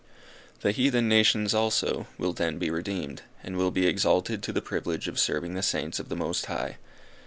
The heathen nations, also, will then be redeemed, and will be exalted to the privilege of serving the Saints of the Most High.